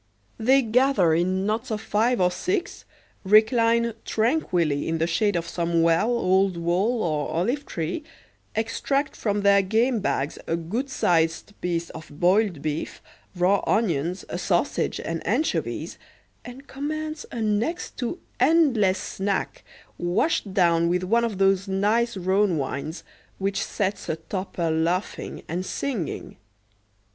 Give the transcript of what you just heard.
They gather in knots of five or six, recline tranquilly in the shade of some well, old wall, or olive tree, extract from their game bags a good sized piece of boiled beef, raw onions, a sausage, and anchovies, and commence a next to endless snack, washed down with one of those nice Rhone wines, which sets a toper laughing and singing.